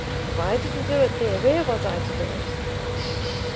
If I didn't do it there, where was I to do it?